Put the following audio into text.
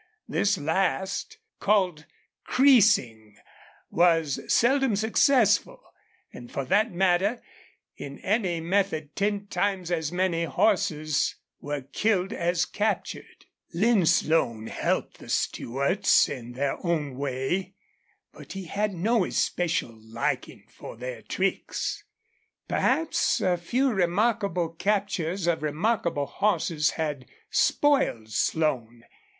This last, called creasing, was seldom successful, and for that matter in any method ten times as many horses were killed as captured. Lin Slone helped the Stewarts in their own way, but he had no especial liking for their tricks. Perhaps a few remarkable captures of remarkable horses had spoiled Slone.